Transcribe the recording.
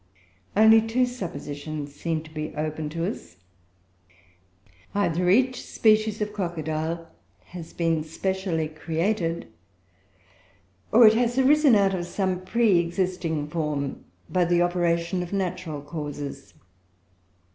Only two suppositions seem to be open to us Either each species of crocodile has been specially created, or it has arisen out of some pre existing form by the operation of natural causes.